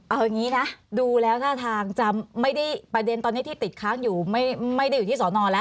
เอาอย่างนี้นะดูแล้วท่าทางจะไม่ได้ประเด็นตอนนี้ที่ติดค้างอยู่ไม่ได้อยู่ที่สอนอแล้ว